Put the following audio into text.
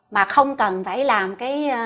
mà không cần phải là